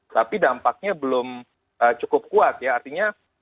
tapi dampaknya belum cukup kuat ya artinya